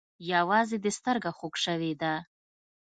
يوازې دې سترگه خوږ سوې ده.